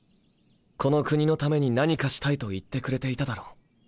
この国のために何かしたいと言ってくれていただろう？